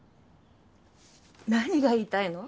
何が言いたいの？